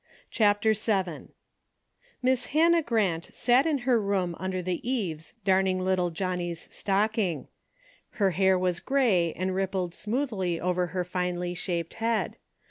'' CHAPTEE YIL Miss Hannah Grant sat in her room un der the eaves darning little Johnnie's stocking. Her hair was grey and rippled smoothly over her finely shaped head.